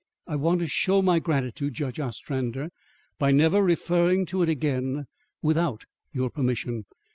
I want to show my gratitude, Judge Ostrander, by never referring to it again without your permission.